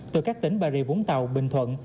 từ các tỉnh bà rịa vũng tàu bình thuận